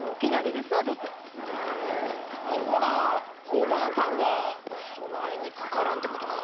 ほな工場の負担はそないにかからんてことか。